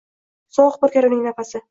Sovuq purkar uning nafasi.